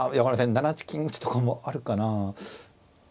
７八金打とかもあるかなあ。